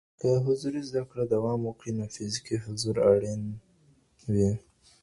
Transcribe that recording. که حضوري زده کړه دوام وکړي، نو فزیکي حضور اړین وي.